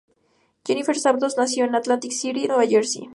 Jennifer Stavros nació en Atlantic City, Nueva Jersey.